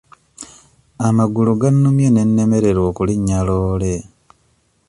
Amagulu gannumye ne nnemererwa okulinnya loole.